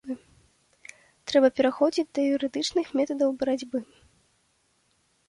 Трэба пераходзіць да юрыдычных метадаў барацьбы.